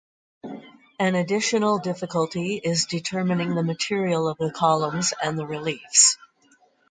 An additional difficulty is determining the material of the columns and the reliefs.